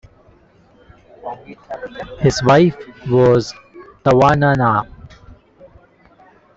His wife was Tawannanna.